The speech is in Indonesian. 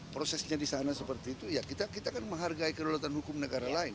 prosesnya di sana seperti itu ya kita kan menghargai kedaulatan hukum negara lain